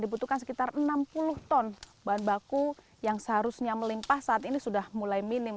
dibutuhkan sekitar enam puluh ton bahan baku yang seharusnya melimpah saat ini sudah mulai minim